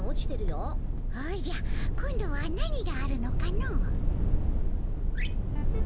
おじゃ今度は何があるのかの？